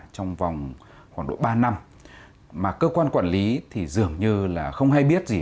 trong vòng khoảng độ ba năm mà cơ quan quản lý thì dường như là không hay biết gì